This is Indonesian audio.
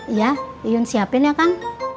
iya yun siapin ya kan